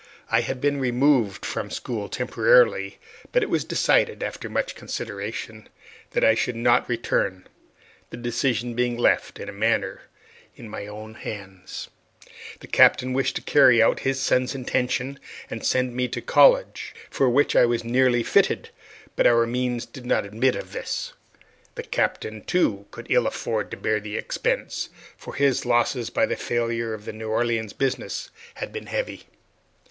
I had been removed from school temporarily, but it was decided, after much consideration, that I should not return, the decision being left, in a manner, in my own hands. The Captain wished to carry out his son's intention and send me to college, for which I was nearly fitted; but our means did not admit of this. The Captain, too, could ill afford to bear the expense, for his losses by the failure of the New Orleans business had been heavy.